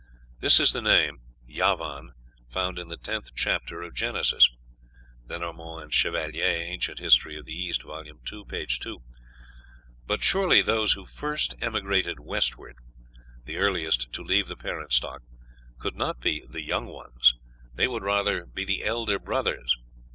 This is the name (Javan) found in the tenth chapter of Genesis." (Lenormant and Chevallier, "Ancient History of the East," vol. ii., p. 2.) But surely those who "first emigrated westward," the earliest to leave the parent stock, could not be the "Young Ones;" they would be rather the elder brothers.